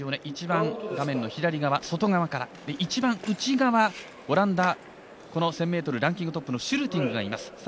一番画面の左側外側から一番内側、オランダ１０００ｍランキングトップのシュルティングがいます。